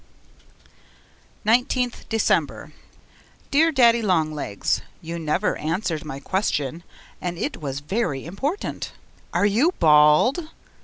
P. 19th December Dear Daddy Long Legs, You never answered my question and it was very important. ARE YOU BALD?